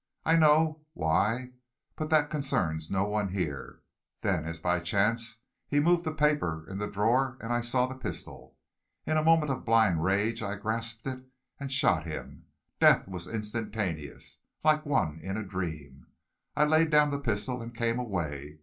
I know, why, but that concerns no one here. Then, as by chance, he moved a paper in the drawer, and I saw the pistol. In a moment of blind rage I grasped it and shot him. Death was instantaneous. Like one in a dream, I laid down the pistol, and came away.